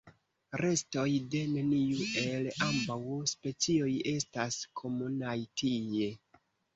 Restoj de neniu el ambaŭ specioj estas komunaj tie.